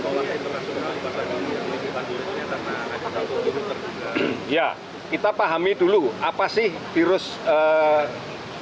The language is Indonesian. bapak ada satu kola internasional di bapak dunia ini kita lihat karena ada satu virus terduga